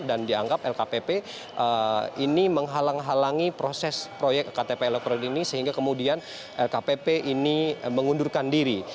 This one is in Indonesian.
dan dianggap lkpp ini menghalang halangi proses proyek ktp elektronik ini sehingga kemudian lkpp ini mengundurkan diri